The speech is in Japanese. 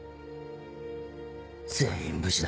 全員無事だ。